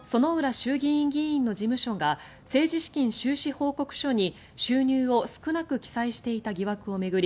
衆議院議員の事務所が政治資金収支報告書に収入を少なく記載していた疑惑を巡り